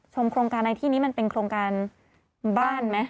โครงการในที่นี้มันเป็นโครงการบ้านไหม